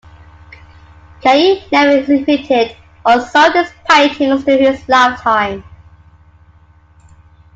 Kaye never exhibited or sold his paintings during his lifetime.